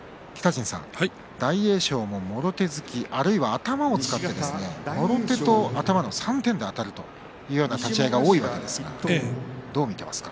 大栄翔も、もろ手突きあるいは頭を使ったもろ手と頭の３点であたるというような立ち合いが多いわけですがどう見ていますか？